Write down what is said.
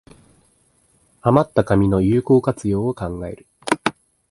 あまった紙の有効活用を考える